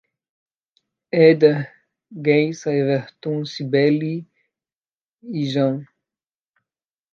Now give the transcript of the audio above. Eder, Geisa, Everton, Cibele e Jean